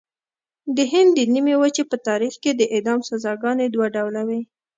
د هند د نیمې وچې په تاریخ کې د اعدام سزاګانې دوه ډوله وې.